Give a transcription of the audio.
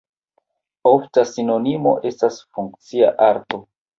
Ofta sinonimo estas funkcia arto.